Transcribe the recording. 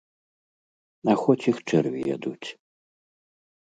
А хоць іх чэрві ядуць.